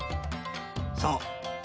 そう。